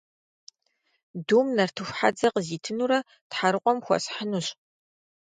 Дум нартыху хьэдзэ къызитынурэ Тхьэрыкъуэм хуэсхьынущ.